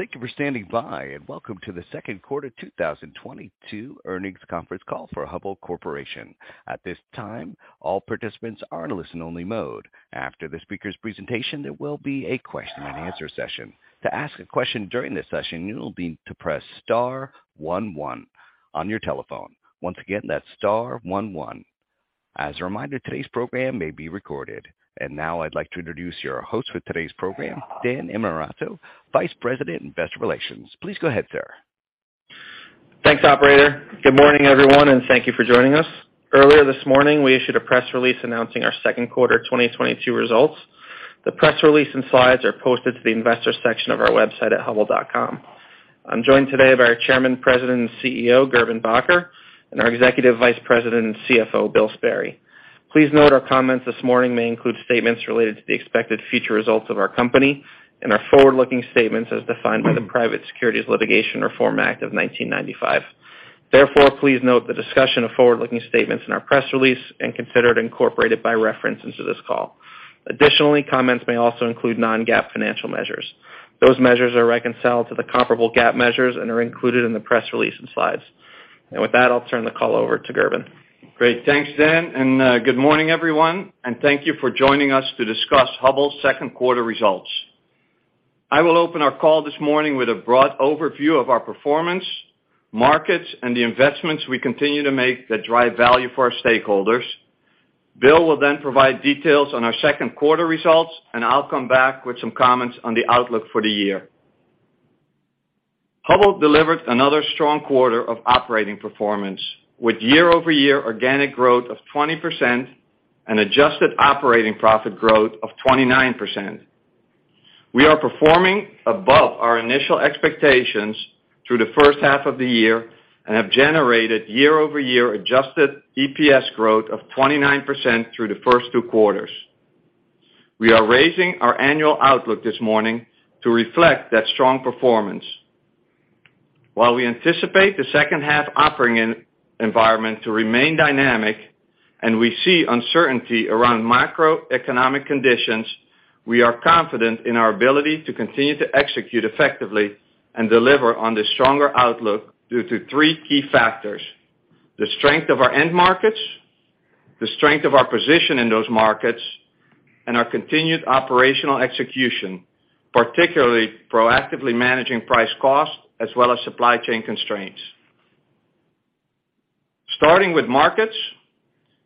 Thank you for standing by, and welcome to the Second Quarter 2022 Earnings Conference Call for Hubbell Incorporated. At this time, all participants are in a listen-only mode. After the speakers' presentation, there will be a question-and-answer session. To ask a question during this session, you'll need to press star one one on your telephone. Once again, that's star one one. As a reminder, today's program may be recorded. Now I'd like to introduce your host for today's program, Dan Innamorato, Vice President, Investor Relations. Please go ahead, sir. Thanks, operator. Good morning, everyone, and thank you for joining us. Earlier this morning, we issued a press release announcing our Second Quarter 2022 Results. The press release and slides are posted to the investor section of our website at hubbell.com. I'm joined today by our Chairman, President, and CEO, Gerben Bakker, and our Executive Vice President and CFO, Bill Sperry. Please note our comments this morning may include statements related to the expected future results of our company and are forward-looking statements as defined by the Private Securities Litigation Reform Act of 1995. Therefore, please note the discussion of forward-looking statements in our press release and consider it incorporated by reference into this call. Additionally, comments may also include non-GAAP financial measures. Those measures are reconciled to the comparable GAAP measures and are included in the press release and slides. With that, I'll turn the call over to Gerben. Great, thanks, Dan, and good morning, everyone, and thank you for joining us to discuss Hubbell's Second Quarter Results. I will open our call this morning with a broad overview of our performance, markets, and the investments we continue to make that drive value for our stakeholders. Bill will then provide details on our second quarter results, and I'll come back with some comments on the outlook for the year. Hubbell delivered another strong quarter of operating performance, with year-over-year organic growth of 20% and adjusted operating profit growth of 29%. We are performing above our initial expectations through the first half of the year and have generated year-over-year adjusted EPS growth of 29% through the first two quarters. We are raising our annual outlook this morning to reflect that strong performance. While we anticipate the second-half operating environment to remain dynamic, and we see uncertainty around macroeconomic conditions, we are confident in our ability to continue to execute effectively and deliver on this stronger outlook due to three key factors, the strength of our end markets, the strength of our position in those markets, and our continued operational execution, particularly proactively managing price cost as well as supply chain constraints. Starting with markets,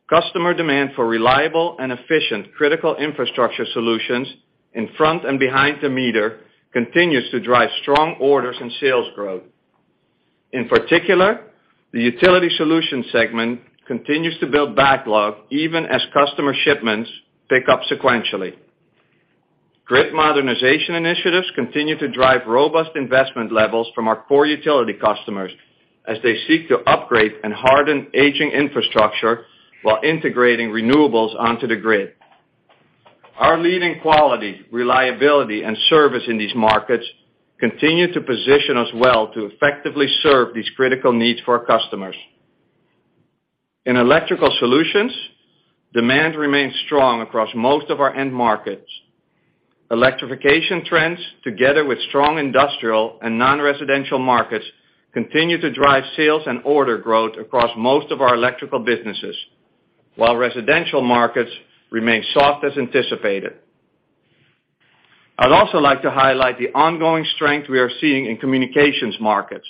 customer demand for reliable and efficient critical infrastructure solutions in front and behind the meter continues to drive strong orders and sales growth. In particular, the Utility Solutions segment continues to build backlog even as customer shipments pick up sequentially. Grid modernization initiatives continue to drive robust investment levels from our core utility customers as they seek to upgrade and harden aging infrastructure while integrating renewables onto the grid. Our leading quality, reliability, and service in these markets continue to position us well to effectively serve these critical needs for our customers. In Electrical Solutions, demand remains strong across most of our end markets. Electrification trends, together with strong industrial and non-residential markets, continue to drive sales and order growth across most of our electrical businesses, while residential markets remain soft as anticipated. I'd also like to highlight the ongoing strength we are seeing in communications markets,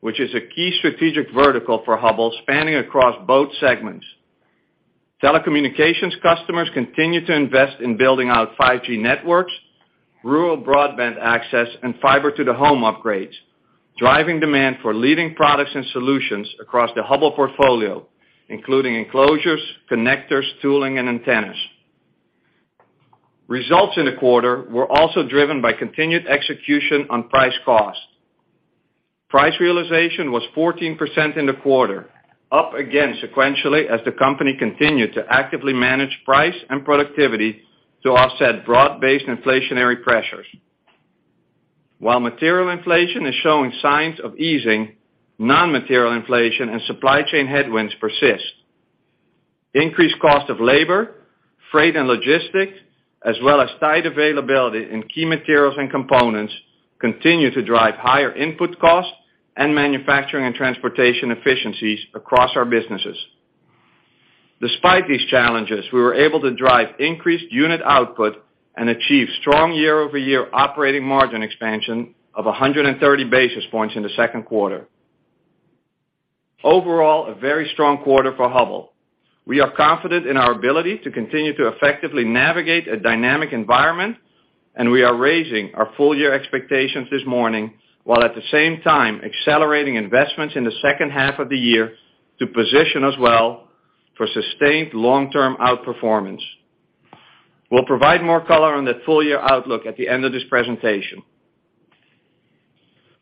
which is a key strategic vertical for Hubbell spanning across both segments. Telecommunications customers continue to invest in building out 5G networks, rural broadband access, and Fiber to the Home upgrades, driving demand for leading products and solutions across the Hubbell portfolio, including enclosures, connectors, tooling, and antennas. Results in the quarter were also driven by continued execution on price-cost. Price realization was 14% in the quarter, up again sequentially as the company continued to actively manage price and productivity to offset broad-based inflationary pressures. While material inflation is showing signs of easing, non-material inflation and supply chain headwinds persist. Increased cost of labor, freight and logistics, as well as tight availability in key materials and components continue to drive higher input costs and manufacturing and transportation efficiencies across our businesses. Despite these challenges, we were able to drive increased unit output and achieve strong year-over-year operating margin expansion of 130 basis points in the second quarter. Overall, a very strong quarter for Hubbell. We are confident in our ability to continue to effectively navigate a dynamic environment, and we are raising our full year expectations this morning, while at the same time accelerating investments in the second half of the year to position us well for sustained long-term outperformance. We'll provide more color on that full year outlook at the end of this presentation.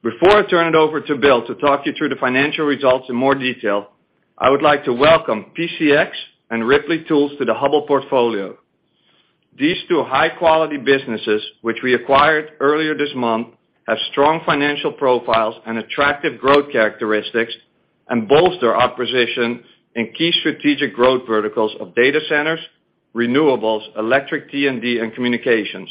Before I turn it over to Bill to talk you through the financial results in more detail, I would like to welcome PCX and Ripley Tools to the Hubbell portfolio. These two high-quality businesses, which we acquired earlier this month, have strong financial profiles and attractive growth characteristics and bolster our position in key strategic growth verticals of data centers, renewables, electric T&D, and communications.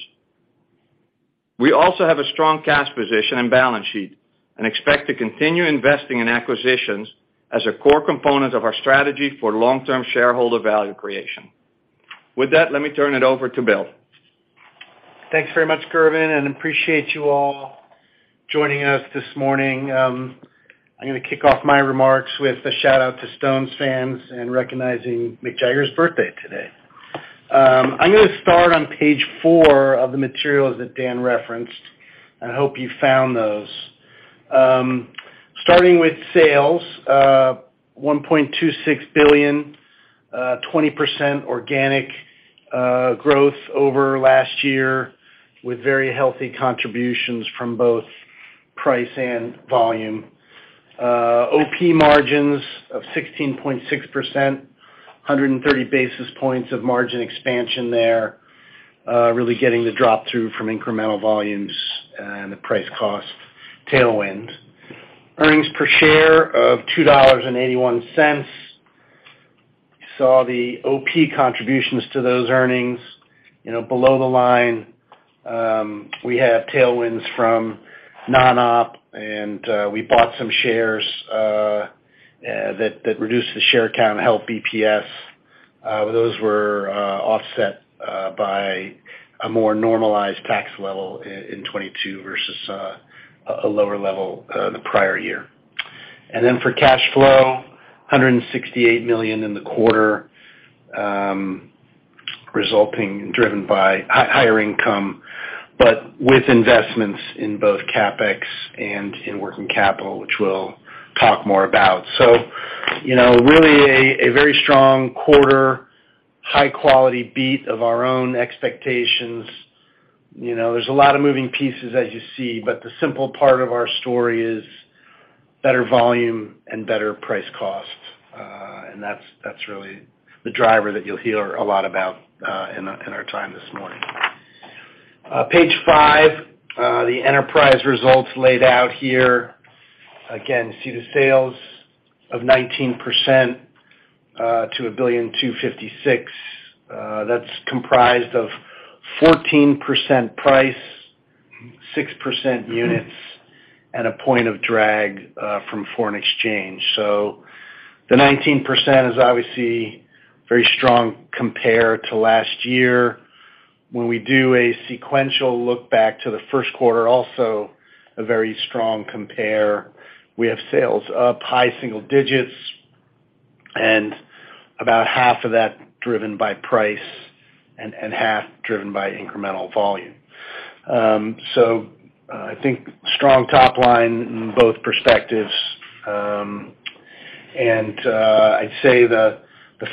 We also have a strong cash position and balance sheet, and expect to continue investing in acquisitions as a core component of our strategy for long-term shareholder value creation. With that, let me turn it over to Bill. Thanks very much, Gerben, and appreciate you all joining us this morning. I'm gonna kick off my remarks with a shout-out to Stones fans and recognizing Mick Jagger's birthday today. I'm gonna start on page 4 of the materials that Dan referenced, and I hope you found those. Starting with sales, $1.26 billion, 20% organic growth over last year, with very healthy contributions from both price and volume. OP margins of 16.6%, 130 basis points of margin expansion there, really getting the drop-through from incremental volumes and the price cost tailwind. Earnings per share of $2.81. You saw the OP contributions to those earnings. You know, below the line, we have tailwinds from non-op, and we bought some shares that reduced the share count, helped EPS. Those were offset by a more normalized tax level in 2022 versus a lower level the prior year. Then for cash flow, $168 million in the quarter, resulting, driven by higher income, but with investments in both CapEx and in working capital, which we'll talk more about. You know, really a very strong quarter, high quality beat of our own expectations. You know, there's a lot of moving parts as you see, but the simple part of our story is better volume and better price cost. And that's really the driver that you'll hear a lot about in our time this morning. Page five, the enterprise results laid out here. Again, see the sales of 19% to $1.256 billion. That's comprised of 14% price, 6% units, and a point of drag from foreign exchange. The 19% is obviously very strong compare to last year. When we do a sequential look back to the first quarter, also a very strong compare. We have sales up high single digits and about half of that driven by price and half driven by incremental volume. I think strong top line in both perspectives. I'd say the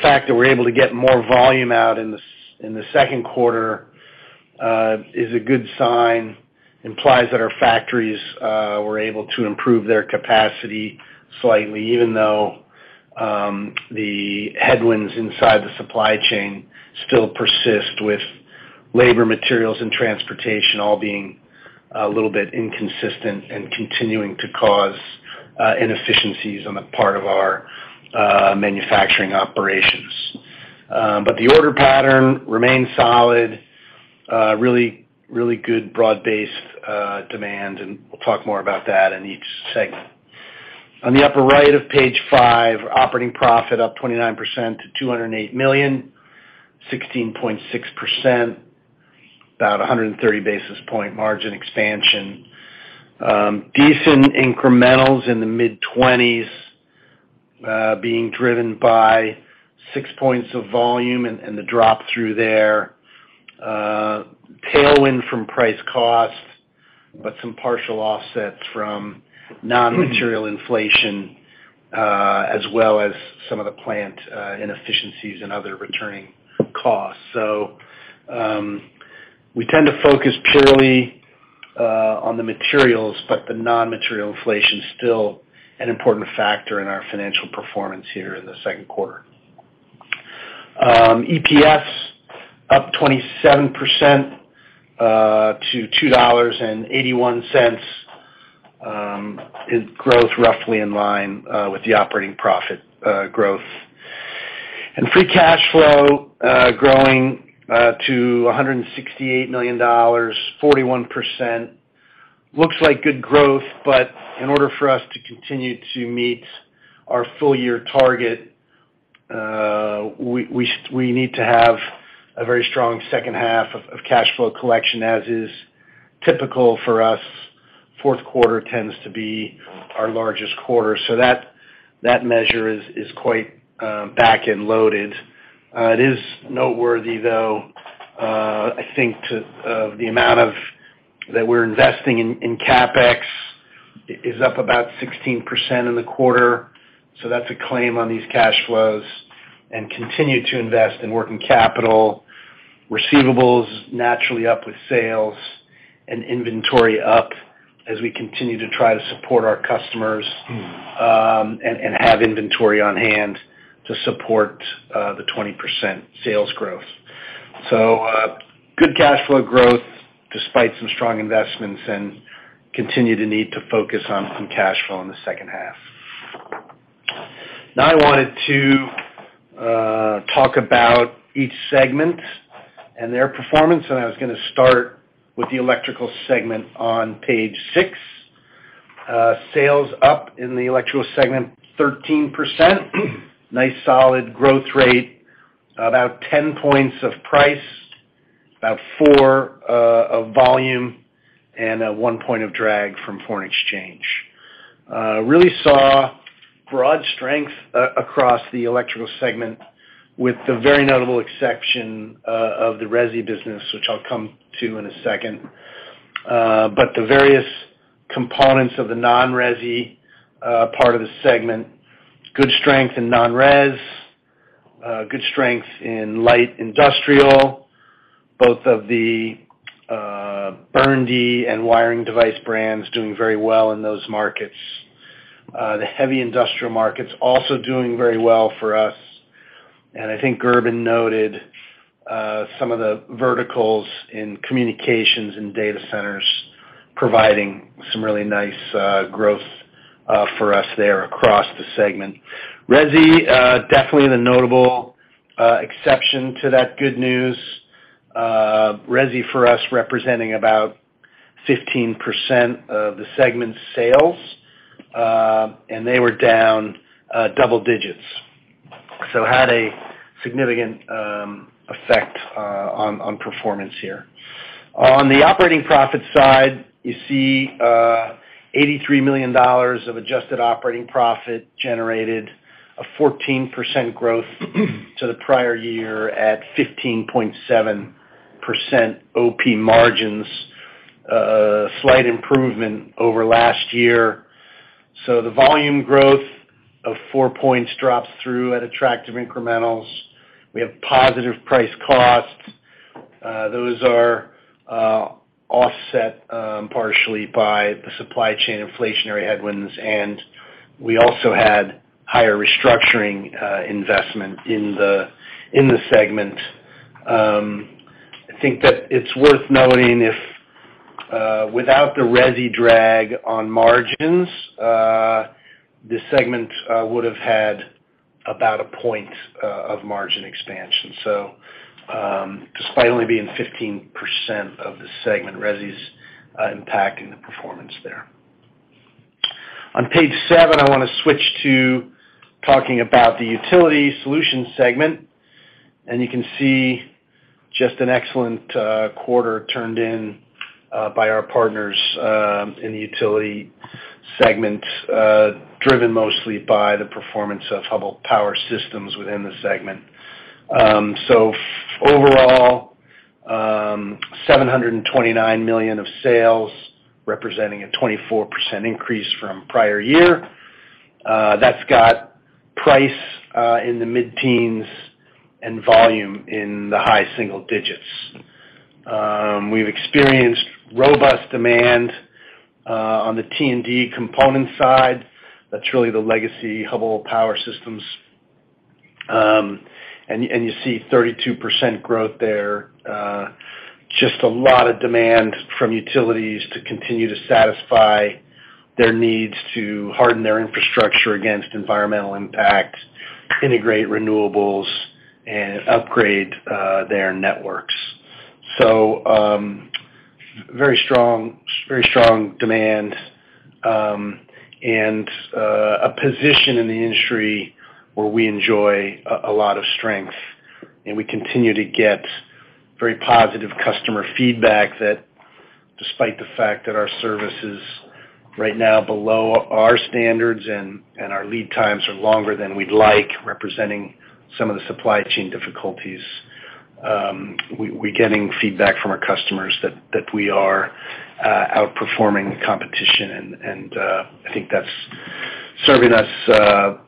fact that we're able to get more volume out in the second quarter is a good sign, implies that our factories were able to improve their capacity slightly, even though the headwinds inside the supply chain still persist with labor materials and transportation all being a little bit inconsistent and continuing to cause inefficiencies on the part of our manufacturing operations. The order pattern remains solid, really good broad-based demand, and we'll talk more about that in each segment. On the upper right of page five, operating profit up 29% to $208 million, 16.6%, about 130 basis point margin expansion. Decent incrementals in the mid-20s, being driven by 6 points of volume and the drop through there. Tailwind from price cost, but some partial offsets from non-material inflation, as well as some of the plant inefficiencies and other returning costs. We tend to focus purely on the materials, but the non-material inflation is still an important factor in our financial performance here in the second quarter. EPS up 27% to $2.81 is growth roughly in line with the operating profit growth. Free cash flow growing to $168 million, 41%. Looks like good growth, but in order for us to continue to meet our full year target, we need to have a very strong second half of cash flow collection. As is typical for us, fourth quarter tends to be our largest quarter. That measure is quite back-end loaded. It is noteworthy, though, I think, too, the amount that we're investing in CapEx is up about 16% in the quarter. That's a claim on these cash flows and continue to invest in working capital, receivables naturally up with sales and inventory up as we continue to try to support our customers, and have inventory on hand to support the 20% sales growth. Good cash flow growth despite some strong investments and continue to need to focus on some cash flow in the second half. Now I wanted to talk about each segment and their performance, and I was gonna start with the Electrical Solutions segment on page six. Sales up in the Electrical Solutions segment 13%. Nice solid growth rate, about 10 points of price, about 4 of volume, and 1 point of drag from foreign exchange. Really saw broad strength across the electrical segment with the very notable exception of the resi business, which I'll come to in a second. The various components of the non-resi part of the segment, good strength in non-resi, good strength in light industrial, both of the Burndy and Wiring Device brands doing very well in those markets. The heavy industrial markets also doing very well for us. I think Gerben noted some of the verticals in communications and data centers providing some really nice growth for us there across the segment. Resi definitely the notable exception to that good news. Resi for us representing about 15% of the segment's sales, and they were down double digits, so had a significant effect on performance here. On the operating profit side, you see, $83 million of adjusted operating profit generated, a 14% growth to the prior year at 15.7% OP margins. Slight improvement over last year. The volume growth of 4 points dropped through at attractive incrementals. We have positive price costs. Those are offset partially by the supply chain inflationary headwinds, and we also had higher restructuring investment in the segment. I think that it's worth noting if, without the resi drag on margins, this segment would've had about a point of margin expansion. Despite only being 15% of the segment, resi's impacting the performance there. On page seven, I wanna switch to talking about the Utility Solutions segment, and you can see just an excellent quarter turned in by our partners in the Utility segment, driven mostly by the performance of Hubbell Power Systems within the segment. Overall, $729 million of sales representing a 24% increase from prior year. That's got price in the mid-teens and volume in the high-single-digits. We've experienced robust demand on the T&D component side. That's really the legacy Hubbell Power Systems, and you see 32% growth there. Just a lot of demand from utilities to continue to satisfy their needs to harden their infrastructure against environmental impact, integrate renewables, and upgrade their networks. Very strong demand and a position in the industry where we enjoy a lot of strength. We continue to get very positive customer feedback that despite the fact that our service is right now below our standards and our lead times are longer than we'd like, representing some of the supply chain difficulties, we're getting feedback from our customers that we are outperforming the competition. I think that's serving us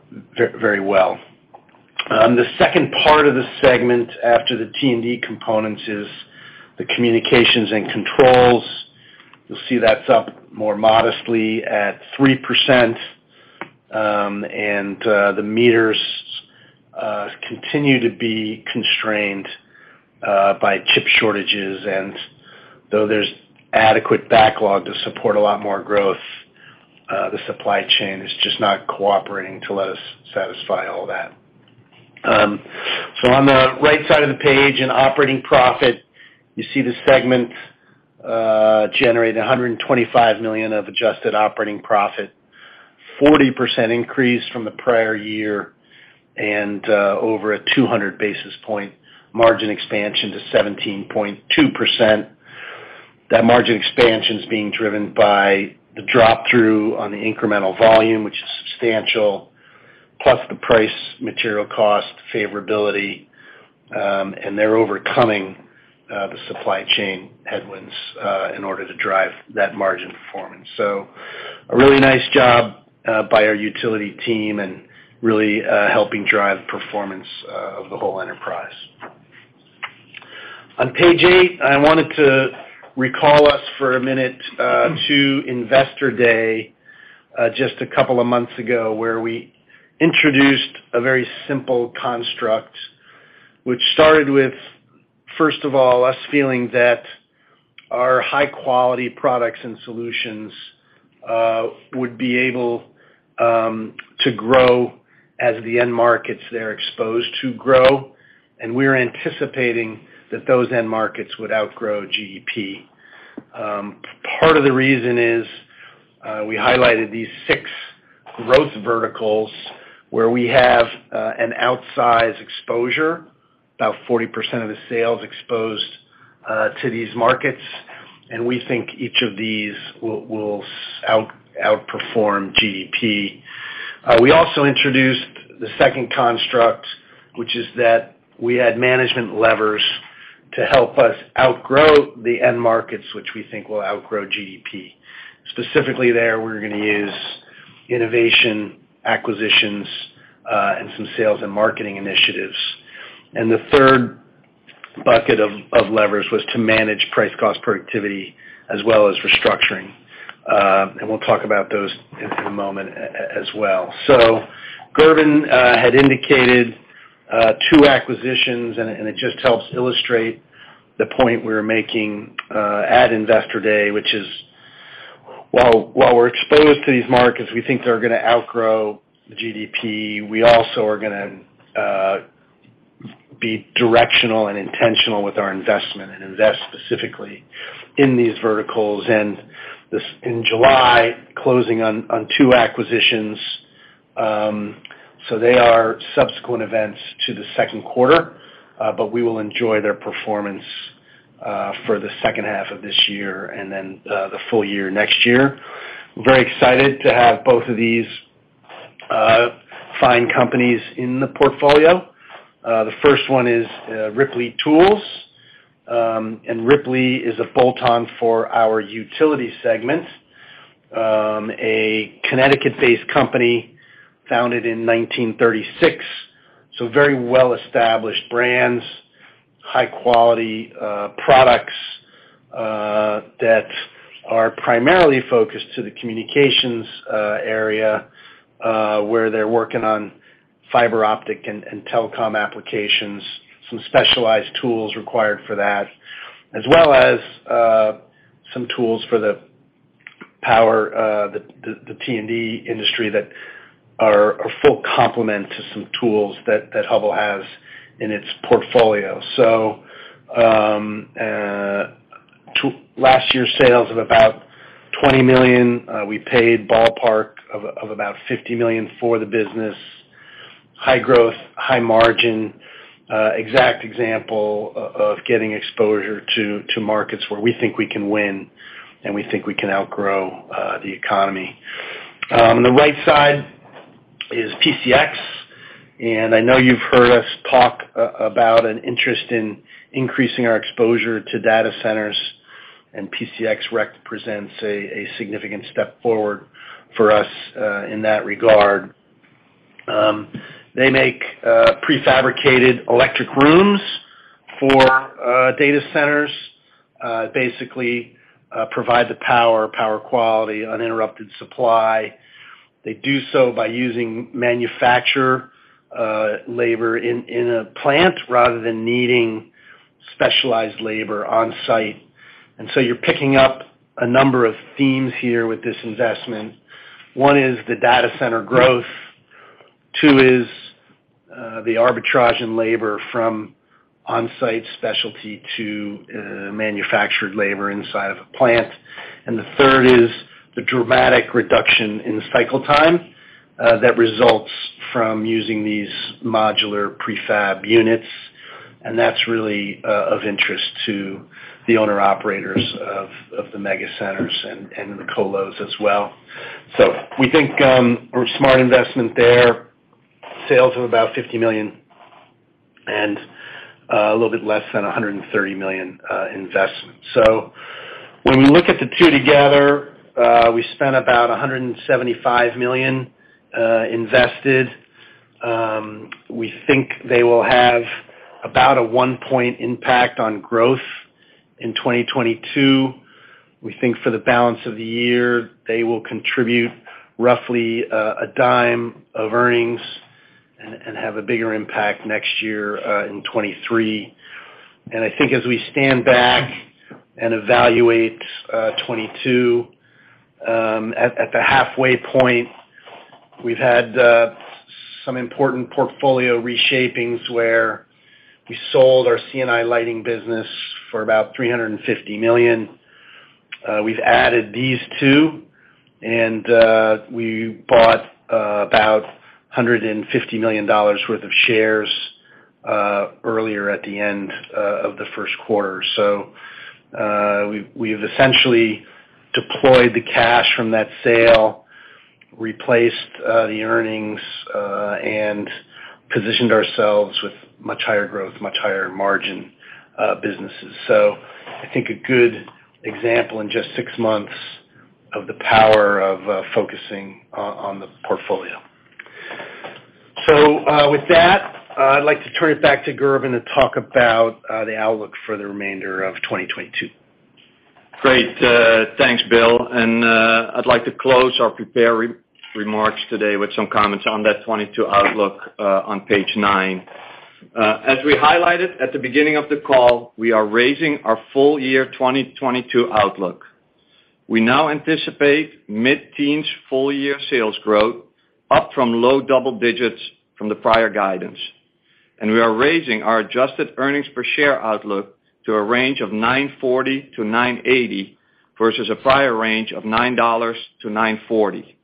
very well. The second part of the segment after the T&D components is the communications and controls. You'll see that's up more modestly at 3%, and the meters continue to be constrained by chip shortages. Though there's adequate backlog to support a lot more growth, the supply chain is just not cooperating to let us satisfy all that. On the right side of the page in operating profit, you see the segment generating $125 million of adjusted operating profit, 40% increase from the prior year and over a 200 basis point margin expansion to 17.2%. That margin expansion's being driven by the drop through on the incremental volume, which is substantial, plus the price material cost favorability, and they're overcoming the supply chain headwinds in order to drive that margin performance. A really nice job by our utility team and really helping drive performance of the whole enterprise. On page eight, I wanted to recall us for a minute to Investor Day, just a couple of months ago where we introduced a very simple construct which started with, first of all, us feeling that our high quality products and solutions would be able to grow as the end markets they're exposed to grow, and we're anticipating that those end markets would outgrow GDP. Part of the reason is, we highlighted these six growth verticals where we have an outsized exposure, about 40% of the sales exposed to these markets, and we think each of these will outperform GDP. We also introduced the second construct, which is that we had management levers to help us outgrow the end markets, which we think will outgrow GDP. Specifically there, we're gonna use innovation, acquisitions, and some sales and marketing initiatives. The third bucket of levers was to manage price cost productivity as well as restructuring. We'll talk about those in a moment as well. Gerben had indicated two acquisitions and it just helps illustrate the point we were making at Investor Day, which is while we're exposed to these markets, we think they're gonna outgrow the GDP. We also are gonna be directional and intentional with our investment and invest specifically in these verticals. This in July, closing on two acquisitions, so they are subsequent events to the second quarter, but we will enjoy their performance for the second half of this year and then the full year next year. Very excited to have both of these fine companies in the portfolio. The first one is Ripley Tools. Ripley is a bolt-on for our utility segment. A Connecticut-based company founded in 1936, so very well-established brands, high quality products that are primarily focused to the communications area, where they're working on fiber optic and telecom applications, some specialized tools required for that, as well as some tools for the power the T&D industry that are a full complement to some tools that Hubbell has in its portfolio. Last year's sales of about $20 million, we paid ballpark of about $50 million for the business. High growth, high margin, exact example of getting exposure to markets where we think we can win and we think we can outgrow the economy. On the right side is PCX. I know you've heard us talk about an interest in increasing our exposure to data centers, and PCX represents a significant step forward for us in that regard. They make prefabricated electric rooms for data centers, basically provide the power quality, uninterrupted supply. They do so by using manufacturing labor in a plant rather than needing specialized labor on-site. You're picking up a number of themes here with this investment. One is the data center growth. Two is the arbitrage in labor from on-site specialty to manufactured labor inside of a plant. The third is the dramatic reduction in cycle time that results from using these modular prefab units, and that's really of interest to the owner-operators of the mega centers and the colos as well. We think a smart investment there. Sales of about $50 million and a little bit less than $130 million investment. When you look at the two together, we spent about $175 million invested. We think they will have about a 1-point impact on growth in 2022. We think for the balance of the year, they will contribute roughly a $0.10 of earnings and have a bigger impact next year in 2023. I think as we stand back and evaluate 2022 at the halfway point, we've had some important portfolio reshapings where we sold our C&I Lighting business for about $350 million. We've added these two, and we bought about $150 million worth of shares earlier at the end of the first quarter. We've essentially deployed the cash from that sale, replaced the earnings, and positioned ourselves with much higher growth, much higher margin businesses. I think a good example in just six months of the power of focusing on the portfolio. With that, I'd like to turn it back to Gerben to talk about the outlook for the remainder of 2022. Great. Thanks, Bill. I'd like to close our prepared remarks today with some comments on that 2022 outlook, on page nine. As we highlighted at the beginning of the call, we are raising our full year 2022 outlook. We now anticipate mid-teens full year sales growth up from low double digits from the prior guidance, and we are raising our adjusted earnings per share outlook to a range of $9.40-$9.80 versus a prior range of $9-$9.40.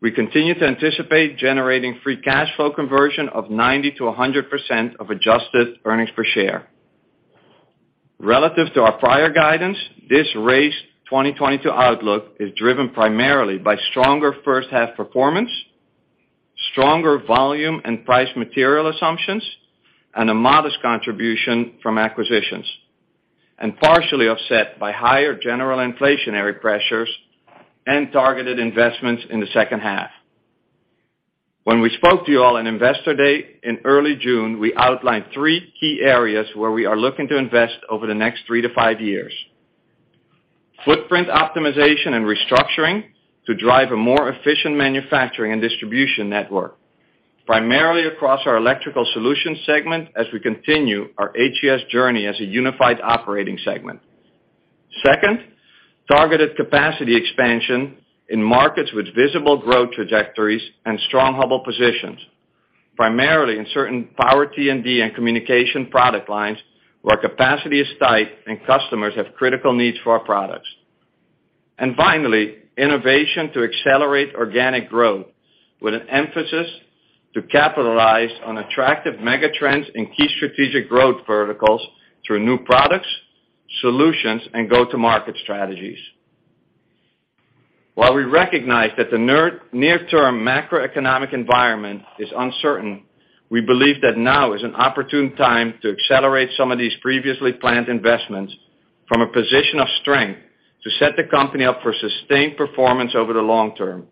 We continue to anticipate generating free cash flow conversion of 90%-100% of adjusted earnings per share. Relative to our prior guidance, this raised 2022 outlook is driven primarily by stronger first half performance, stronger volume and price material assumptions, and a modest contribution from acquisitions, and partially offset by higher general inflationary pressures and targeted investments in the second half. When we spoke to you all in Investor Day in early June, we outlined three key areas where we are looking to invest over the next three-five years. Footprint optimization and restructuring to drive a more efficient manufacturing and distribution network, primarily across our Electrical Solutions segment as we continue our HES journey as a unified operating segment. Second, targeted capacity expansion in markets with visible growth trajectories and strong Hubbell positions, primarily in certain power T&D and communication product lines where capacity is tight and customers have critical needs for our products. Finally, innovation to accelerate organic growth with an emphasis to capitalize on attractive mega trends in key strategic growth verticals through new products, solutions, and go-to-market strategies. While we recognize that the near-term macroeconomic environment is uncertain, we believe that now is an opportune time to accelerate some of these previously planned investments from a position of strength to set the company up for sustained performance over the long term.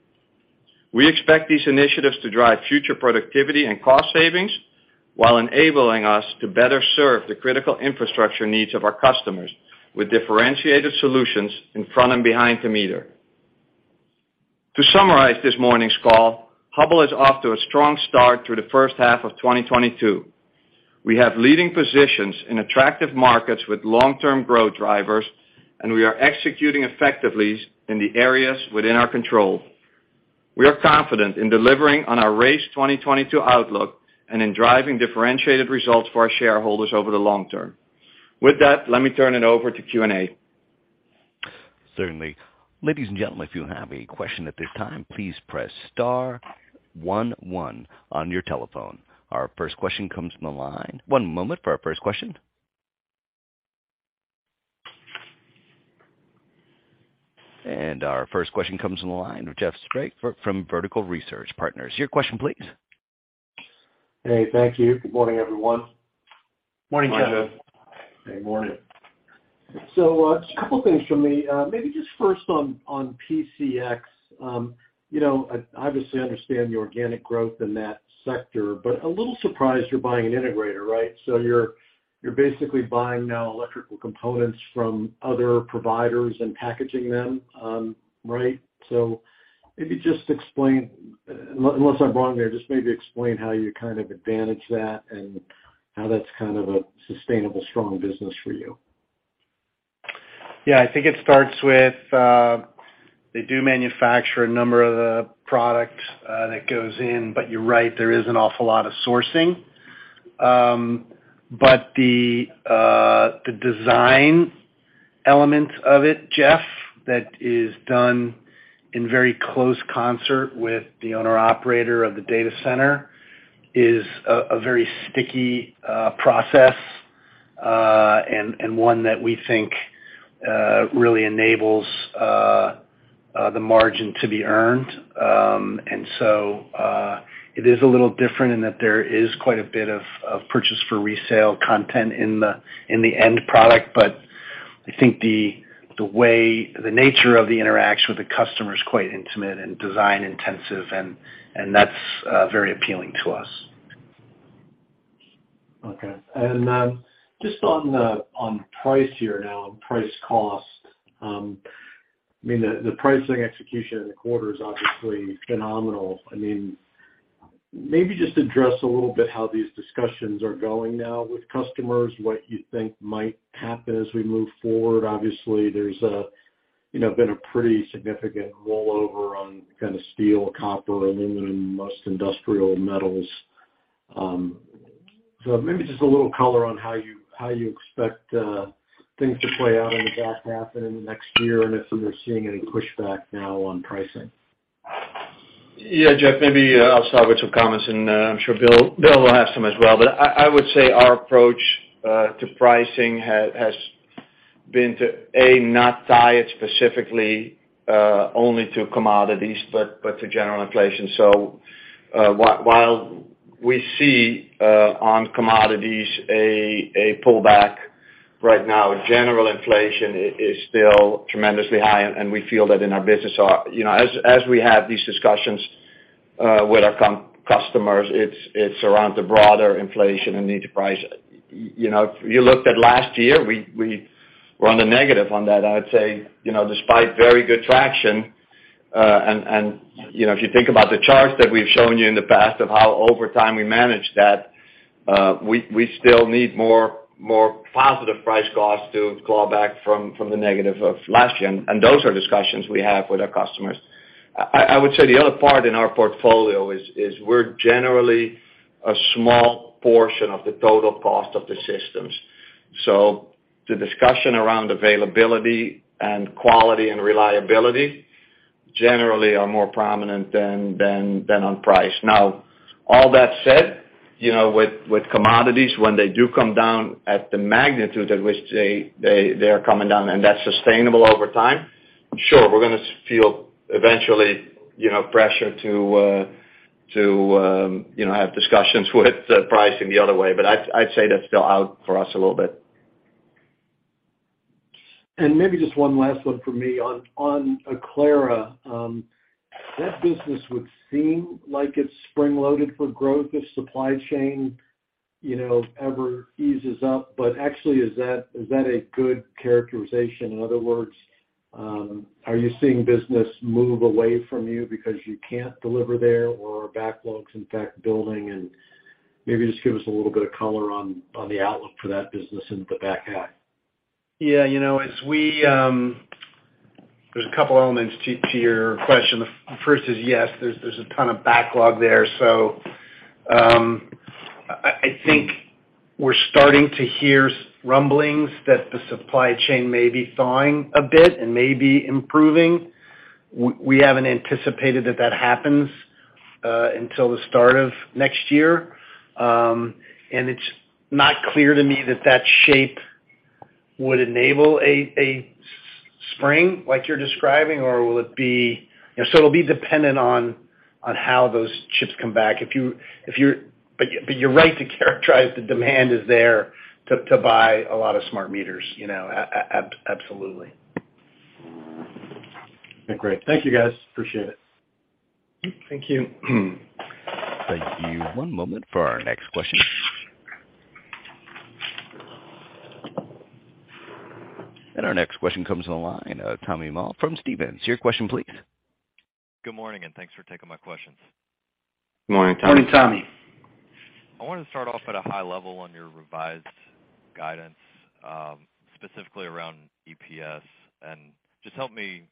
We expect these initiatives to drive future productivity and cost savings while enabling us to better serve the critical infrastructure needs of our customers with differentiated solutions in front and behind the meter. To summarize this morning's call, Hubbell is off to a strong start through the first half of 2022. We have leading positions in attractive markets with long-term growth drivers, and we are executing effectively in the areas within our control. We are confident in delivering on our raised 2022 outlook and in driving differentiated results for our shareholders over the long term. With that, let me turn it over to Q&A. Certainly. Ladies and gentlemen, if you have a question at this time, please press star one one on your telephone. Our first question comes from the line. One moment for our first question. Our first question comes from the line of Jeffrey Sprague from Vertical Research Partners. Your question, please. Hey, thank you. Good morning, everyone. Morning, Jeff. Hi, Jeff. Good morning. Just a couple of things from me. Maybe just first on PCX. You know, I obviously understand the organic growth in that sector, but a little surprised you're buying an integrator, right? You're basically buying now electrical components from other providers and packaging them, right. Maybe just explain, unless I'm wrong there, just maybe explain how you kind of advantage that and how that's kind of a sustainable, strong business for you. Yeah. I think it starts with, they do manufacture a number of the products that goes in. But you're right, there is an awful lot of sourcing. The design element of it, Jeff, that is done in very close concert with the owner operator of the data center is a very sticky process, and one that we think really enables the margin to be earned. It is a little different in that there is quite a bit of purchase for resale content in the end product. I think the way, the nature of the interaction with the customer is quite intimate and design-intensive, and that's very appealing to us. Okay. Just on the price here now and price cost, I mean, the pricing execution in the quarter is obviously phenomenal. I mean, maybe just address a little bit how these discussions are going now with customers, what you think might happen as we move forward. Obviously, there's a, you know, been a pretty significant rollover on kind of steel, copper, aluminum, most industrial metals. So maybe just a little color on how you expect things to play out in the back half and in the next year, and if you're seeing any pushback now on pricing. Yeah, Jeff, maybe I'll start with some comments, and I'm sure Bill will have some as well. I would say our approach to pricing has been to, A, not tie it specifically only to commodities, but to general inflation. While we see on commodities a pullback. Right now, general inflation is still tremendously high, and we feel that in our business. You know, as we have these discussions with our customers, it's around the broader inflation and the enterprise. You know, if you looked at last year, we run a negative on that, I'd say, you know, despite very good traction. You know, if you think about the charts that we've shown you in the past of how over time we managed that, we still need more positive price costs to claw back from the negative of last year. Those are discussions we have with our customers. I would say the other part in our portfolio is we're generally a small portion of the total cost of the systems. The discussion around availability and quality and reliability generally are more prominent than on price. Now, all that said, you know, with commodities, when they do come down at the magnitude at which they are coming down, and that's sustainable over time, sure, we're gonna feel eventually, you know, pressure to have discussions with the pricing the other way. I'd say that's still out for us a little bit. Maybe just one last one for me on Aclara. That business would seem like it's spring-loaded for growth if supply chain, you know, ever eases up. Actually, is that a good characterization? In other words, are you seeing business move away from you because you can't deliver there, or are backlogs in fact building? Maybe just give us a little bit of color on the outlook for that business in the back half. Yeah, you know, there are a couple elements to your question. The first is yes, there's a ton of backlog there. I think we're starting to hear rumblings that the supply chain may be thawing a bit and may be improving. We haven't anticipated that happens until the start of next year. It's not clear to me that shape would enable a spring, like you're describing, or will it be. You know, it'll be dependent on how those ships come back. You're right to characterize the demand is there to buy a lot of smart meters, you know, absolutely. Okay, great. Thank you, guys. Appreciate it. Thank you. Thank you. One moment for our next question. Our next question comes on the line, Tommy Moll from Stephens. Your question, please. Good morning, and thanks for taking my questions. Good morning, Tommy. Morning, Tommy. I wanted to start off at a high level on your revised guidance, specifically around EPS. Just help me,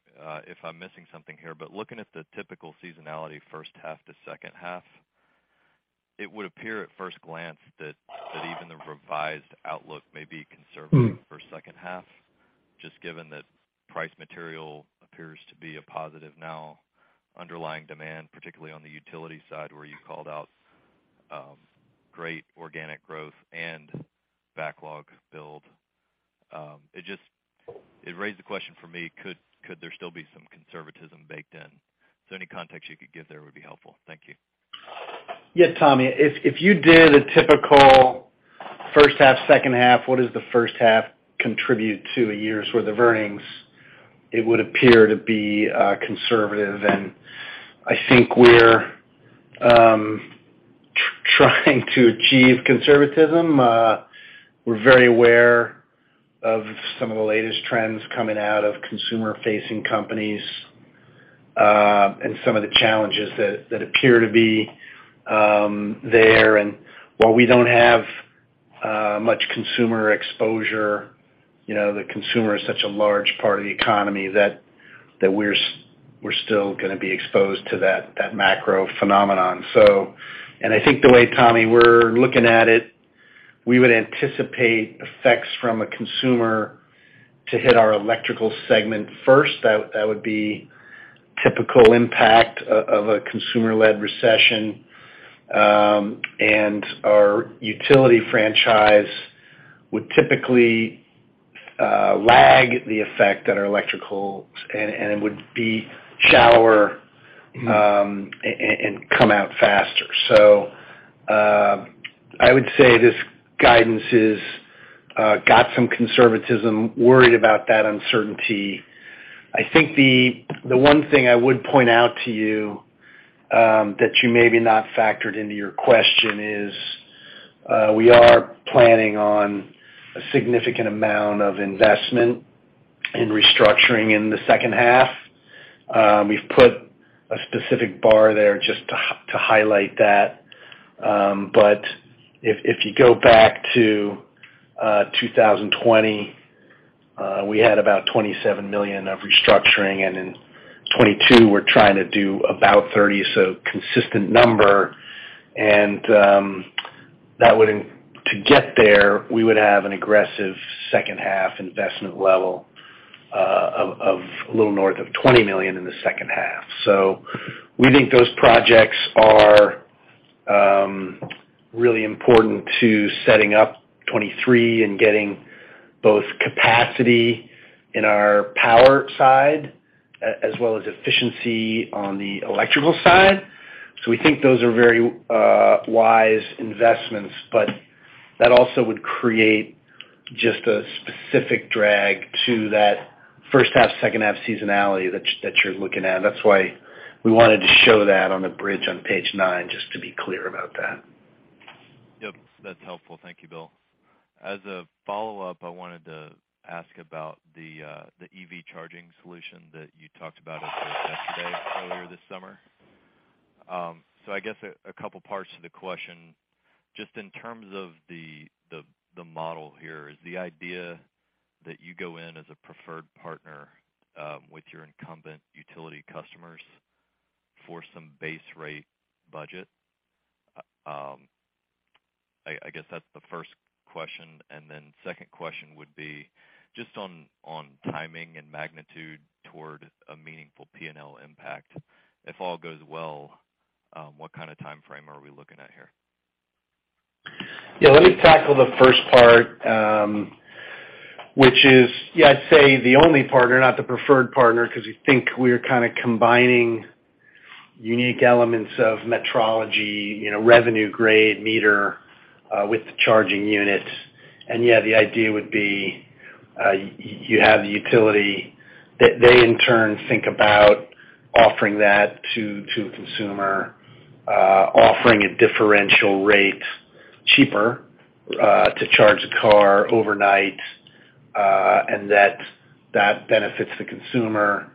if I'm missing something here, but looking at the typical seasonality first half to second half, it would appear at first glance that even the revised outlook may be conservative for second half, just given that price material appears to be a positive now, underlying demand, particularly on the utility side, where you called out, great organic growth and backlog build. It just raised the question for me, could there still be some conservatism baked in? Any context you could give there would be helpful. Thank you. Yeah, Tommy, if you did a typical first half/second half, what does the first half contribute to a year's worth of earnings? It would appear to be conservative. I think we're trying to achieve conservatism. We're very aware of some of the latest trends coming out of consumer-facing companies and some of the challenges that appear to be there. While we don't have much consumer exposure, you know, the consumer is such a large part of the economy that we're still gonna be exposed to that macro phenomenon. I think the way, Tommy, we're looking at it, we would anticipate effects from a consumer to hit our electrical segment first. That would be typical impact of a consumer-led recession. Our utility franchise would typically lag the effect on our electrical and it would be shallower and come out faster. I would say this guidance is got some conservatism, worried about that uncertainty. I think the one thing I would point out to you that you maybe not factored into your question is we are planning on a significant amount of investment in restructuring in the second half. We've put a specific bar there just to highlight that. But if you go back to 2020, we had about $27 million of restructuring, and in 2022, we're trying to do about $30 million, so consistent number. That would. To get there, we would have an aggressive second half investment level of a little north of $20 million in the second half. We think those projects are really important to setting up 2023 and getting both capacity in our power side as well as efficiency on the electrical side. We think those are very wise investments, but that also would create just a specific drag to that first half, second half seasonality that you're looking at. That's why we wanted to show that on the bridge on page nine, just to be clear about that. Yep, that's helpful. Thank you, Bill. As a follow-up, I wanted to ask about the EV charging solution that you talked about yesterday, earlier this summer. I guess a couple parts to the question. Just in terms of the model here, is the idea that you go in as a preferred partner with your incumbent utility customers for some base rate budget? I guess that's the first question. Second question would be just on timing and magnitude toward a meaningful P&L impact. If all goes well, what kind of time frame are we looking at here? Yeah, let me tackle the first part, which is, yeah, I'd say the only partner, not the preferred partner, 'cause we think we're kind of combining unique elements of metrology, you know, revenue-grade meter with the charging units. Yeah, the idea would be, you have the utility. They in turn think about offering that to a consumer, offering a differential rate cheaper to charge a car overnight, and that benefits the consumer,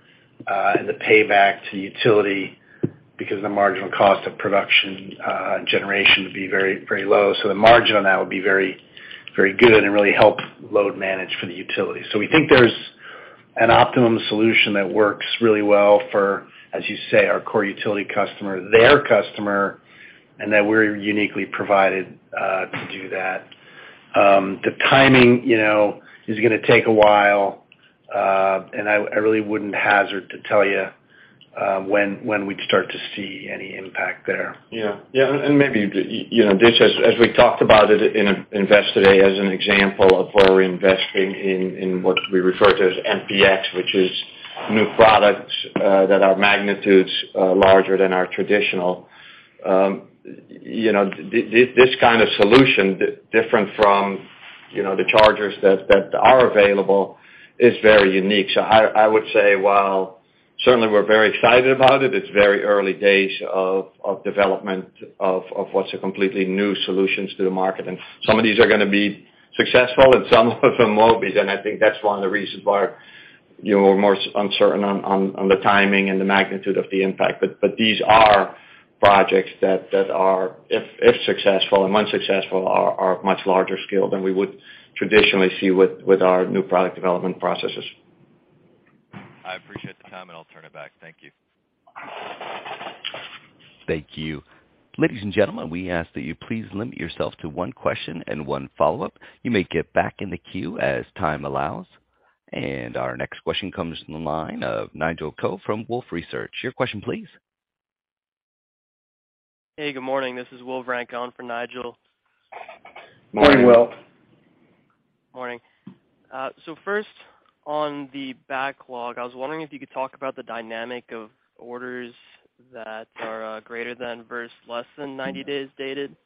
and the payback to utility because the marginal cost of production, generation would be very, very low. The margin on that would be very, very good and really help load management for the utility. We think there's an optimum solution that works really well for, as you say, our core utility customer, their customer, and that we're uniquely provided to do that. The timing, you know, is gonna take a while, and I really wouldn't hazard to tell you when we'd start to see any impact there. Yeah. Yeah, maybe, you know, this, as we talked about it in Investor Day as an example of where we're investing in what we refer to as MPX, which is new products that are magnitudes larger than our traditional. You know, this kind of solution, different from, you know, the chargers that are available is very unique. I would say while certainly we're very excited about it's very early days of development of what's a completely new solutions to the market. Some of these are gonna be successful and some of them won't be. I think that's one of the reasons why, you know, we're more uncertain on the timing and the magnitude of the impact. These are projects that are much larger scale than we would traditionally see with our new product development processes. I appreciate the time, and I'll turn it back. Thank you. Thank you. Ladies and gentlemen, we ask that you please limit yourself to one question and one follow-up. You may get back in the queue as time allows. Our next question comes from the line of Nigel Coe from Wolfe Research. Your question please. Hey, good morning. This is [Will Rang] on for Nigel. Morning, Will. Morning. Morning. First on the backlog, I was wondering if you could talk about the dynamic of orders that are greater than versus less than 90 days dated,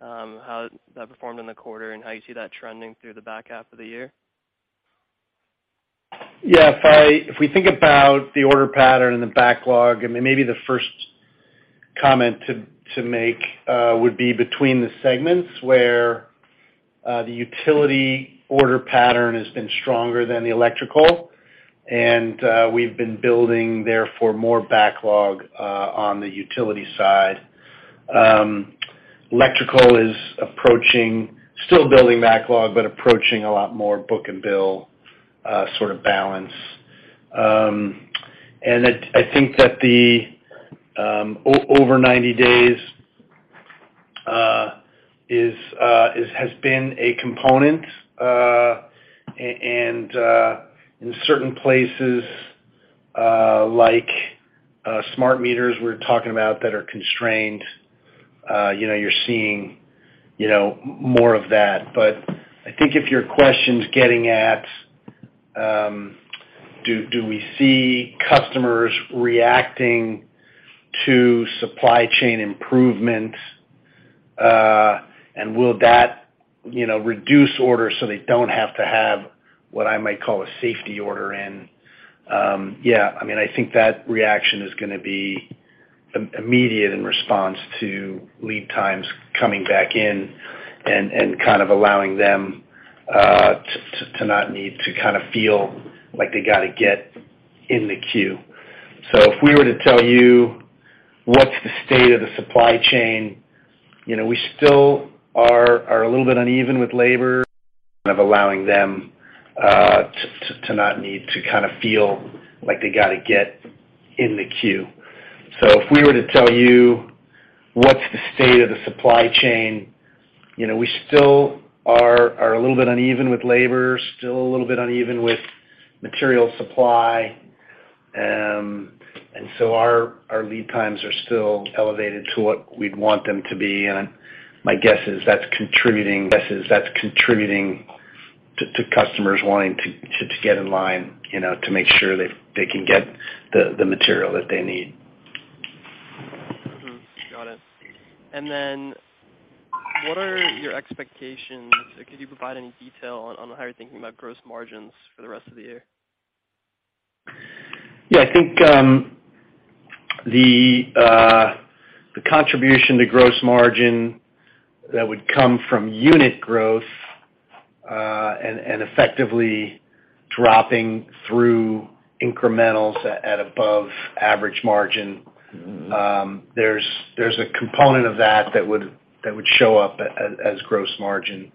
how that performed in the quarter and how you see that trending through the back half of the year. Yeah. If we think about the order pattern and the backlog, I mean, maybe the first comment to make would be between the segments where the utility order pattern has been stronger than the electrical. We've been building, therefore, more backlog on the utility side. Electrical is approaching, still building backlog, but approaching a lot more book-to-bill sort of balance. I think that the over 90 days has been a component. In certain places, like smart meters we're talking about that are constrained, you know, you're seeing, you know, more of that. I think if your question's getting at, do we see customers reacting to supply chain improvements, and will that, you know, reduce orders so they don't have to have what I might call a safety order in? Yeah, I mean, I think that reaction is gonna be immediate in response to lead times coming back in and kind of allowing them to not need to kind of feel like they got to get in the queue. If we were to tell you what's the state of the supply chain, you know, we still are a little bit uneven with labor of allowing them to not need to kind of feel like they got to get in the queue. If we were to tell you what's the state of the supply chain, you know, we still are a little bit uneven with labor, still a little bit uneven with material supply. Our lead times are still elevated to what we'd want them to be, and my guess is that's contributing to customers wanting to get in line, you know, to make sure they can get the material that they need. Got it. What are your expectations? Could you provide any detail on how you're thinking about gross margins for the rest of the year? Yeah. I think the contribution to gross margin that would come from unit growth and effectively dropping through incrementals at above average margin. There's a component of that that would show up as gross margin.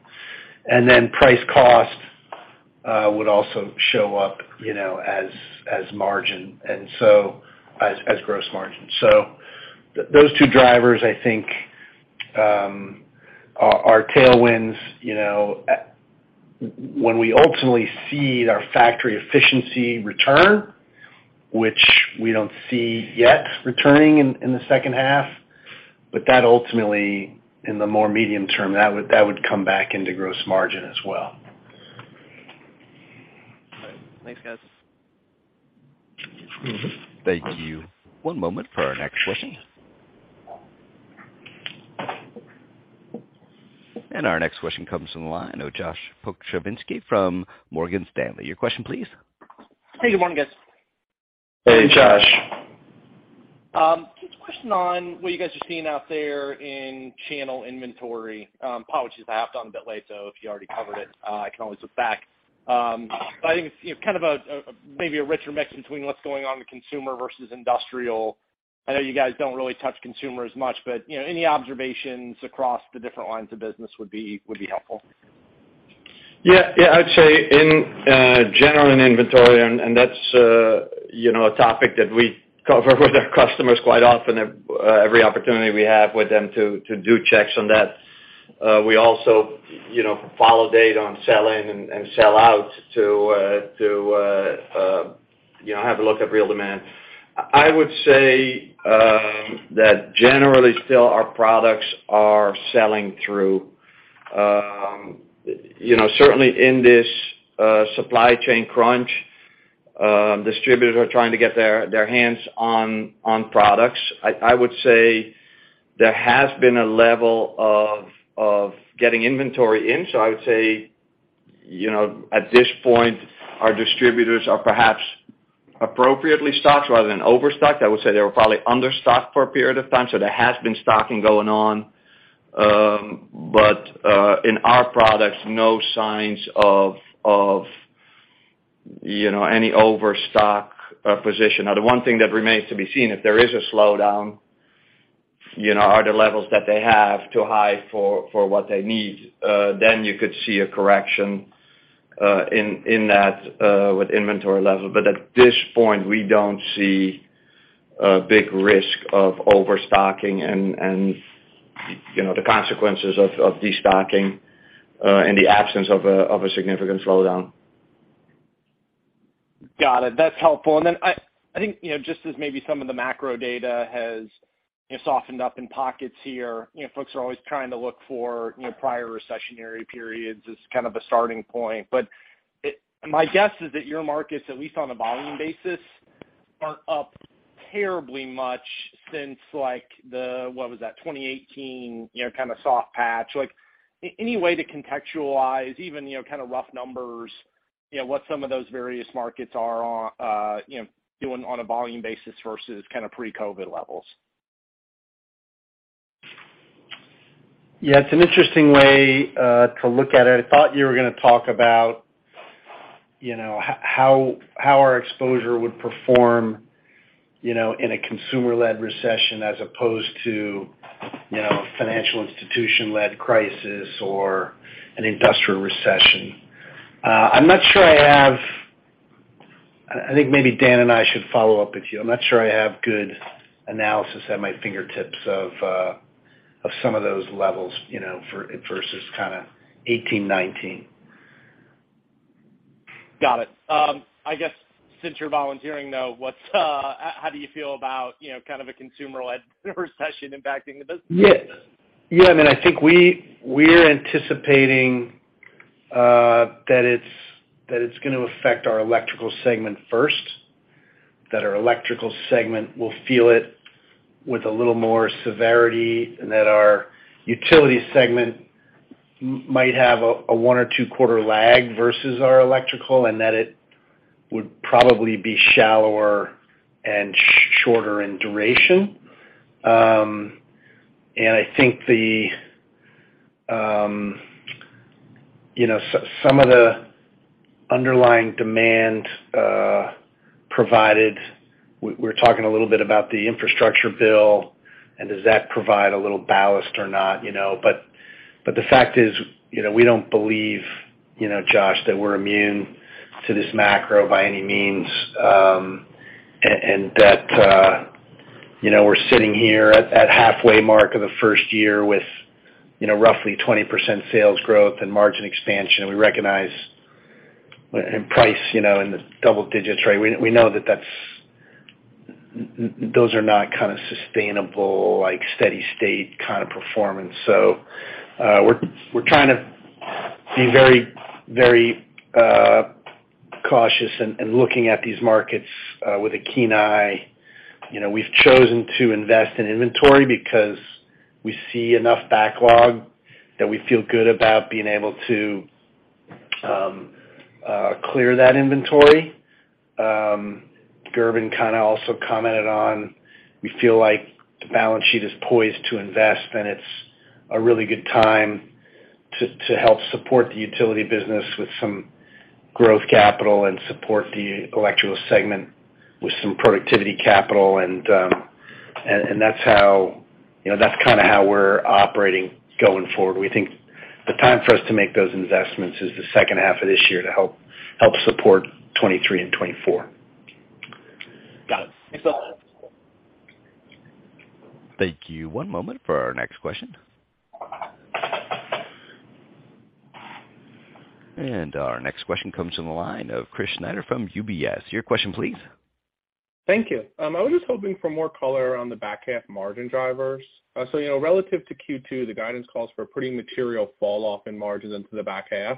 And then price cost would also show up, you know, as margin, and so as gross margin. So those two drivers, I think, are tailwinds, you know. When we ultimately see our factory efficiency return, which we don't see yet returning in the second half, but that ultimately, in the more medium term, that would come back into gross margin as well. All right. Thanks, guys. Thank you. One moment for our next question. Our next question comes from the line of Joshua Pokrzywinski from Morgan Stanley. Your question please. Hey, good morning, guys. Hey, Josh. Just a question on what you guys are seeing out there in channel inventory. Apologies if I hopped on a bit late, so if you already covered it, I can always look back. I think it's, you know, kind of maybe a richer mix between what's going on with consumer versus industrial. I know you guys don't really touch consumer as much, but, you know, any observations across the different lines of business would be helpful. Yeah. I'd say in general inventory, and that's you know a topic that we cover with our customers quite often, every opportunity we have with them to do checks on that. We also you know follow data on sell in and sell out to have a look at real demand. I would say that generally still our products are selling through. You know certainly in this supply chain crunch, distributors are trying to get their hands on products. I would say there has been a level of getting inventory in, so I would say you know at this point, our distributors are perhaps appropriately stocked rather than overstocked. I would say they were probably understocked for a period of time, so there has been stocking going on. In our products, no signs of you know any overstock position. Now, the one thing that remains to be seen, if there is a slowdown, you know, are the levels that they have too high for what they need? Then you could see a correction in that with inventory level. At this point, we don't see a big risk of overstocking and you know the consequences of destocking in the absence of a significant slowdown. Got it. That's helpful. Then I think, you know, just as maybe some of the macro data has, you know, softened up in pockets here, you know, folks are always trying to look for, you know, prior recessionary periods as kind of a starting point. It, my guess is that your markets, at least on a volume basis, aren't up terribly much since like the, what was that? 2018, you know, kind of soft patch. Like, any way to contextualize even, you know, kind of rough numbers, you know, what some of those various markets are on, you know, doing on a volume basis versus kind of pre-COVID levels. Yeah. It's an interesting way to look at it. I thought you were gonna talk about, you know, how our exposure would perform, you know, in a consumer-led recession as opposed to, you know, financial institution-led crisis or an industrial recession. I'm not sure I have. I think maybe Dan and I should follow up with you. I'm not sure I have good analysis at my fingertips of some of those levels, you know, versus kind of 2018, 2019. Got it. I guess since you're volunteering, though, how do you feel about, you know, kind of a consumer-led recession impacting the business? Yeah. I mean, I think we're anticipating that it's gonna affect our electrical segment first, that our electrical segment will feel it with a little more severity and that our utility segment might have a one- or two-quarter lag versus our electrical and that it would probably be shallower and shorter in duration. I think you know some of the underlying demand provided. We're talking a little bit about the infrastructure bill, and does that provide a little ballast or not, you know? The fact is, you know, we don't believe, you know, Josh, that we're immune to this macro by any means, and that you know we're sitting here at halfway mark of the first year with you know roughly 20% sales growth and margin expansion we recognize in pricing, you know, in the double digits, right? We know that those are not kind of sustainable, like steady state kind of performance. We're trying to be very cautious and looking at these markets with a keen eye. You know, we've chosen to invest in inventory because we see enough backlog that we feel good about being able to clear that inventory. Gerben kind of also commented on. We feel like the balance sheet is poised to invest, and it's a really good time to help support the utility business with some growth capital and support the electrical segment with some productivity capital. That's how, you know, that's kind of how we're operating going forward. We think the time for us to make those investments is the second half of this year to help support 2023 and 2024. Got it. Thanks a lot. Thank you. One moment for our next question. Our next question comes from the line of [Christopher Snyder] from UBS. Your question please. Thank you. I was just hoping for more color on the back half margin drivers. You know, relative to Q2, the guidance calls for a pretty material falloff in margins into the back half.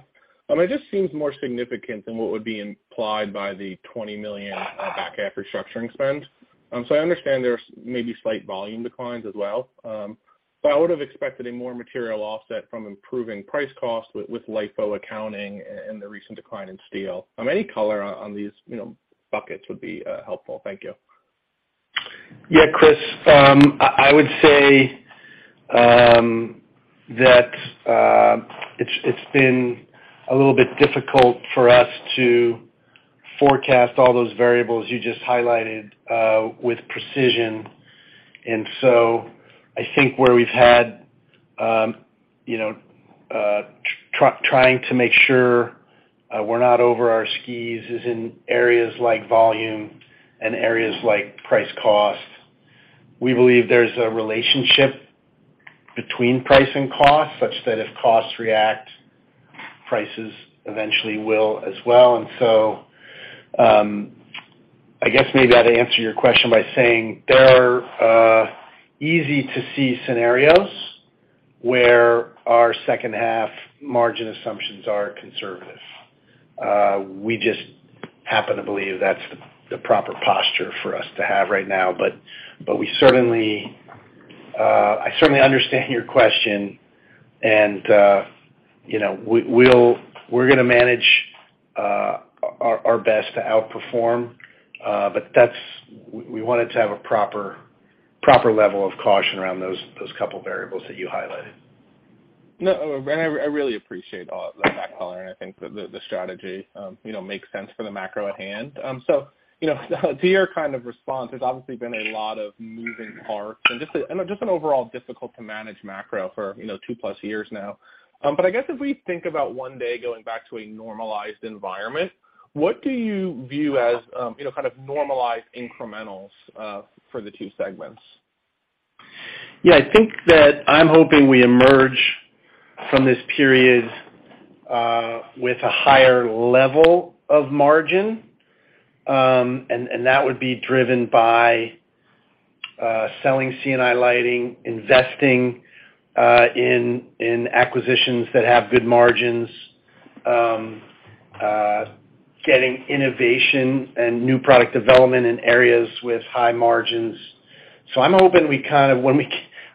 It just seems more significant than what would be implied by the $20 million back half restructuring spend. I understand there's maybe slight volume declines as well. I would've expected a more material offset from improving price cost with LIFO accounting and the recent decline in steel. Any color on these, you know, buckets would be helpful. Thank you. Yeah, Chris, I would say that it's been a little bit difficult for us to forecast all those variables you just highlighted with precision. I think where we've had, you know, trying to make sure we're not over our skis is in areas like volume and areas like price cost. We believe there's a relationship between price and cost, such that if costs react, prices eventually will as well. I guess maybe I'd answer your question by saying there are easy to see scenarios where our second half margin assumptions are conservative. We just happen to believe that's the proper posture for us to have right now. I certainly understand your question, and you know, we'll manage our best to outperform. We wanted to have a proper level of caution around those couple variables that you highlighted. No, I really appreciate all of that color, and I think the strategy, you know, makes sense for the macro at hand. To your kind of response, there's obviously been a lot of moving parts and just an overall difficult to manage macro for, you know, two-plus years now. I guess if we think about one day going back to a normalized environment, what do you view as, you know, kind of normalized incrementals for the two segments? Yeah. I think that I'm hoping we emerge from this period with a higher level of margin. That would be driven by selling C&I Lighting, investing in acquisitions that have good margins, getting innovation and new product development in areas with high margins. I'm hoping we kind of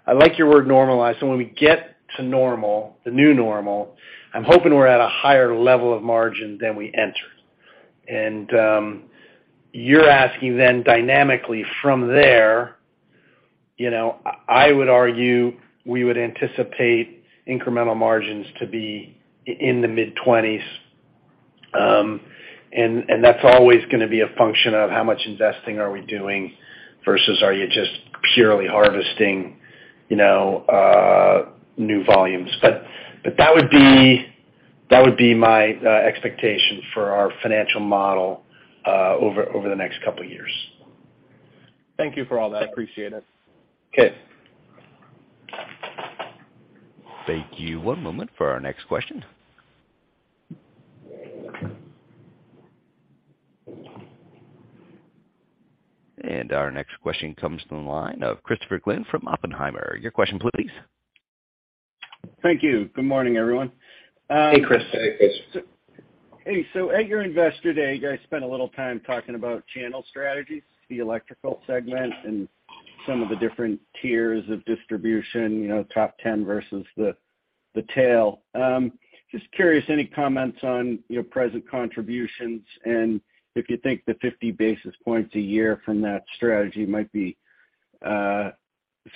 I like your word normalize, when we get to normal, the new normal, I'm hoping we're at a higher level of margin than we entered. You're asking then dynamically from there. I would argue we would anticipate incremental margins to be in the mid-20s%. That's always gonna be a function of how much investing are we doing versus are you just purely harvesting new volumes. That would be my expectation for our financial model over the next couple years. Thank you for all that. Appreciate it. Okay. Thank you. One moment for our next question. Our next question comes from the line of Christopher Glynn from Oppenheimer. Your question please. Thank you. Good morning, everyone. Hey, Chris. Hey, Chris. Hey, at your Investor Day, you guys spent a little time talking about channel strategies, the electrical segment, and some of the different tiers of distribution, you know, top ten versus the tail. Just curious, any comments on, you know, present contributions and if you think the 50 basis points a year from that strategy might be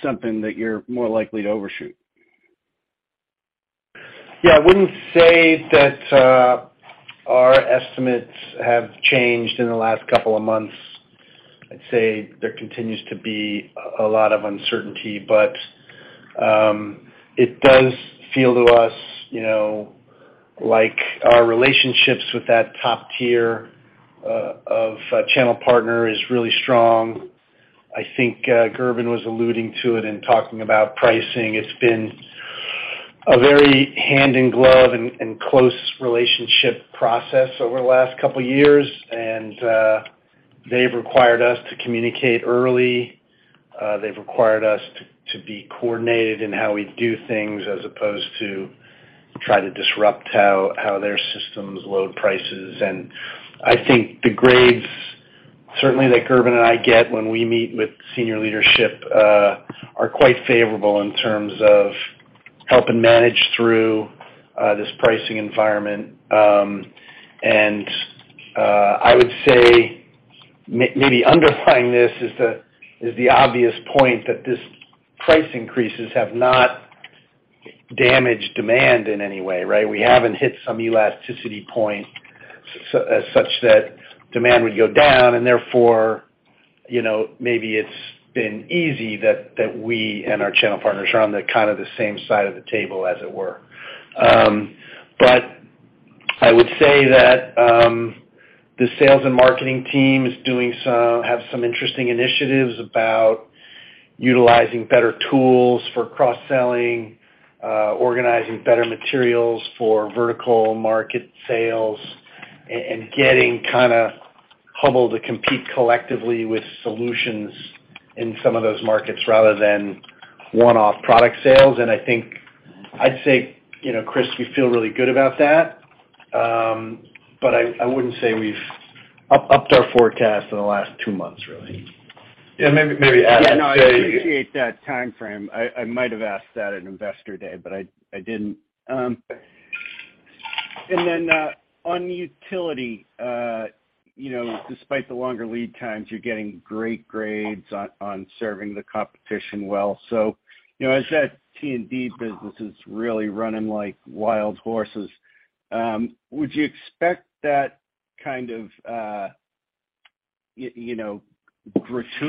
something that you're more likely to overshoot? Yeah. I wouldn't say that our estimates have changed in the last couple of months. I'd say there continues to be a lot of uncertainty. It does feel to us, you know, like our relationships with that top tier of channel partner is really strong. I think Gerben was alluding to it in talking about pricing. It's been a very hand in glove and close relationship process over the last couple years. They've required us to communicate early. They've required us to be coordinated in how we do things as opposed to try to disrupt how their systems load prices. I think the grades certainly that Gerben and I get when we meet with senior leadership are quite favorable in terms of helping manage through this pricing environment. I would say maybe underlying this is the obvious point that this price increases have not damaged demand in any way, right? We haven't hit some elasticity point as such that demand would go down and therefore, you know, maybe it's been easy that we and our channel partners are on the kind of the same side of the table as it were. But I would say that the sales and marketing team have some interesting initiatives about utilizing better tools for cross-selling, organizing better materials for vertical market sales and getting kind of Hubbell to compete collectively with solutions in some of those markets rather than one-off product sales. I think I'd say, you know, Chris, we feel really good about that. I wouldn't say we've upped our forecast in the last two months really. Yeah. Maybe add Yeah, no. I appreciate that timeframe. I might have asked that at Investor Day, but I didn't. On utility, you know, despite the longer lead times, you're getting great grades on serving the customer well. You know, as that T&D business is really running like wild horses, would you expect that kind of, you know, [gravity]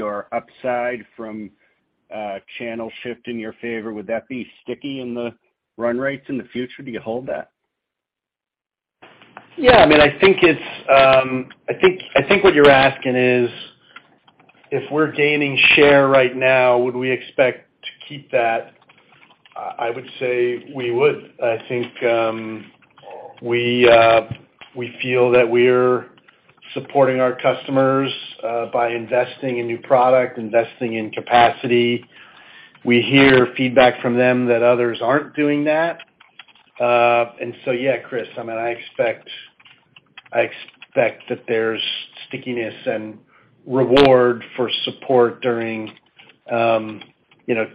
or upside from channel shift in your favor? Would that be sticky in the run rates in the future? Do you hold that? Yeah. I mean, I think it's what you're asking is if we're gaining share right now, would we expect to keep that? I would say we would. I think we feel that we're supporting our customers by investing in new product, investing in capacity. We hear feedback from them that others aren't doing that. Yeah, Chris, I mean, I expect that there's stickiness and reward for support during you know,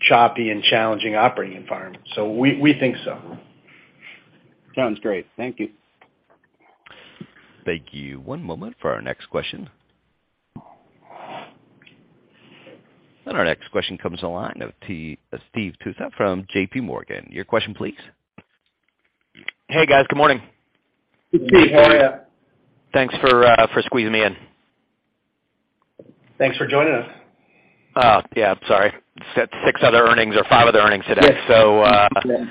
choppy and challenging operating environment. We think so. Sounds great. Thank you. Thank you. One moment for our next question. Our next question comes on the line of Steve Tusa from JPMorgan. Your question please. Hey, guys. Good morning. Hey, Steve. How are you? Thanks for squeezing me in. Thanks for joining us. Yeah, sorry. Just had six other earnings or five other earnings today. Yes.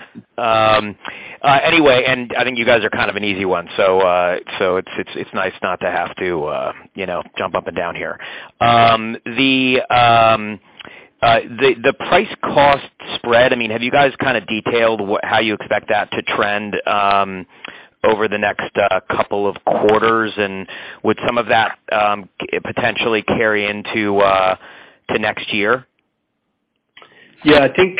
Anyway, I think you guys are kind of an easy one, so it's nice not to have to, you know, jump up and down here. The price cost spread, I mean, have you guys kind of detailed how you expect that to trend over the next couple of quarters? Would some of that potentially carry into next year? Yeah. I think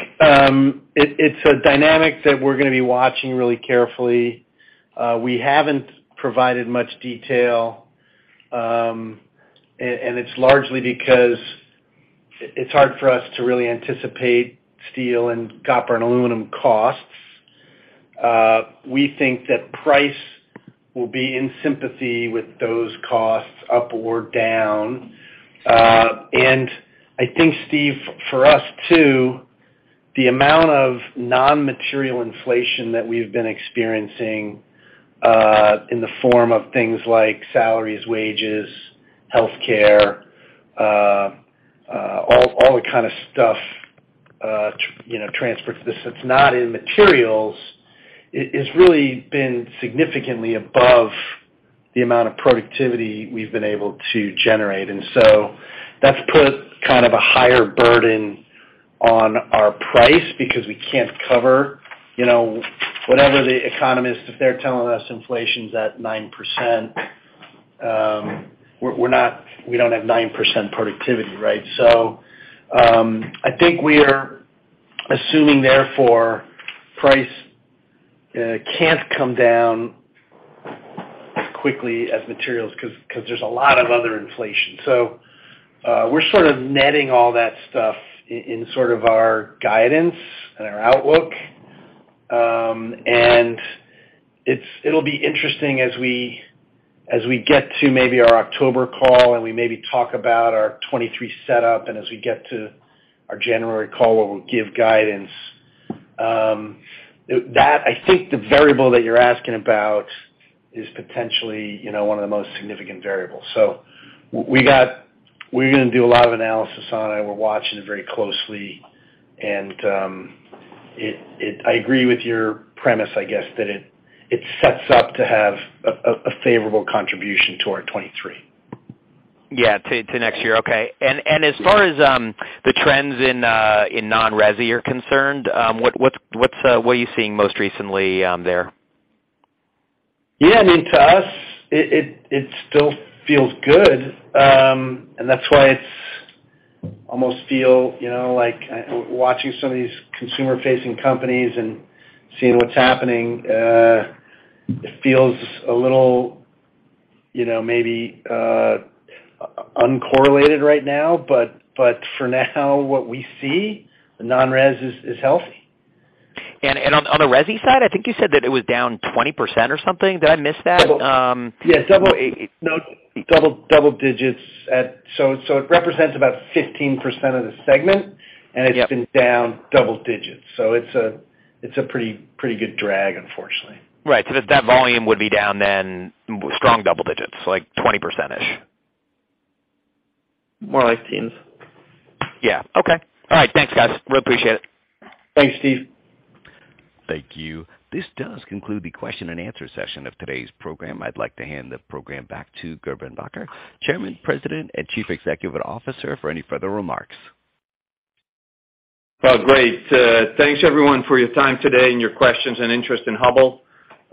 it's a dynamic that we're gonna be watching really carefully. We haven't provided much detail, and it's largely because it's hard for us to really anticipate steel and copper and aluminum costs. We think that price will be in sympathy with those costs up or down. I think, Steve, for us too, the amount of non-material inflation that we've been experiencing, in the form of things like salaries, wages, healthcare, all the kind of stuff, you know, transports that's not in materials, it has really been significantly above the amount of productivity we've been able to generate. That's put kind of a higher burden on our price because we can't cover, you know, whatever the economists, if they're telling us inflation's at 9%, we don't have 9% productivity, right? I think we are assuming therefore price can't come down as quickly as materials 'cause there's a lot of other inflation. We're sort of netting all that stuff in sort of our guidance and our outlook. It'll be interesting as we get to maybe our October call and we maybe talk about our 2023 setup and as we get to our January call where we'll give guidance. I think the variable that you're asking about is potentially, you know, one of the most significant variables. We're gonna do a lot of analysis on it. We're watching it very closely. I agree with your premise, I guess, that it sets up to have a favorable contribution toward 2023. Yeah. To next year. Okay. As far as the trends in non-resi are concerned, what are you seeing most recently there? Yeah. I mean, to us it still feels good. That's why it almost feels like watching some of these consumer-facing companies and seeing what's happening. It feels a little, you know, maybe uncorrelated right now. For now, what we see non-resi is healthy. On the resi side, I think you said that it was down 20% or something. Did I miss that? Double-digits. It represents about 15% of the segment. Yep. It's been down double-digits, so it's a pretty good drag, unfortunately. Right. If that volume would be down then strong double digits, like 20%-ish. More like teens. Yeah. Okay. All right. Thanks, guys. Really appreciate it. Thanks, Steve. Thank you. This does conclude the question and answer session of today's program. I'd like to hand the program back to Gerben Bakker, Chairman, President, and Chief Executive Officer for any further remarks. Well, great. Thanks everyone for your time today and your questions and interest in Hubbell.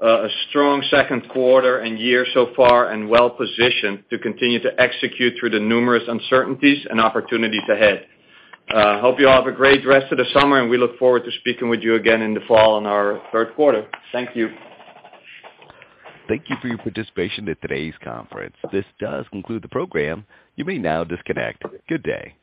A strong second quarter and year so far and well-positioned to continue to execute through the numerous uncertainties and opportunities ahead. Hope you all have a great rest of the summer, and we look forward to speaking with you again in the fall on our third quarter. Thank you. Thank you for your participation in today's conference. This does conclude the program. You may now disconnect. Good day.